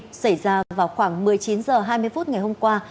xảy ra vào khoảng một mươi chín h hai mươi phút ngày hôm qua